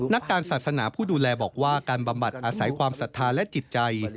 นักการศาสนาผู้ดูแลบอกว่าการบำบัดอาศัยความศรัทธาและจิตใจ